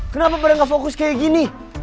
kenapa pada gak fokus kayak gini